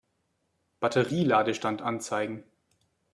Batterie-Ladestand anzeigen.